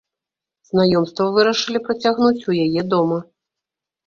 Знаёмства вырашылі працягнуць у яе дома.